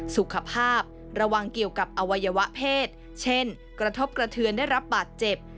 สุขภาพระวังเกี่ยวกับอวัยวะเพศเช่นกระทบกระเทือนได้รับบาดเจ็บ